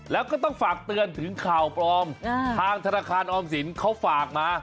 แล้วก็ต้องฝากเตือนถึงข่าวปลอมทางธนาคารออมสินเขาฝากมา